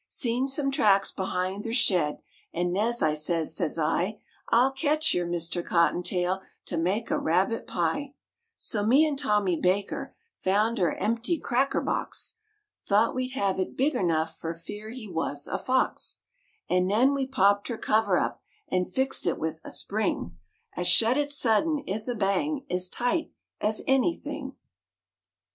Seen some tracks behin' ther shed, an' nen I sez, sez I, "I'll catch yer, Mister Cotton Tail, to make a rabbit pie;" So me'n' Tommy Baker found er empty cracker box; Thought we'd hev it big er nough fer fear he wuz er fox, An' nen we propped ther cover up 'n' fixed it 'ith a spring 'At shut it suddin' 'ith a bang ez tight ez anything.